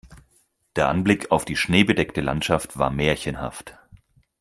Der Anblick auf die schneebedeckte Landschaft war märchenhaft.